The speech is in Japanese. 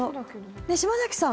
島崎さん